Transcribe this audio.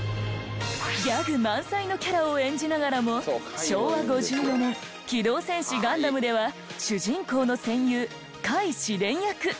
ギャグ満載のキャラを演じながらも昭和５４年『機動戦士ガンダム』では主人公の戦友カイ・シデン役。